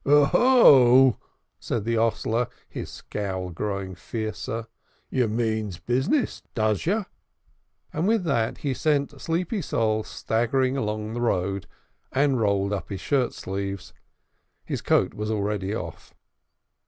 "Oho!" said the hostler, his scowl growing fiercer. "Yer means bizness, does yer?" With that he sent Sleepy Sol staggering along the road and rolled up his shirt sleeves. His coat was already off.